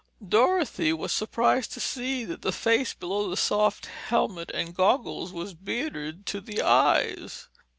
Dorothy was surprised to see that the face below the soft helmet and goggles was bearded to the eyes.